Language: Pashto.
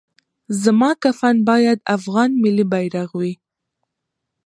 زما کفن باید افغان ملي بیرغ وي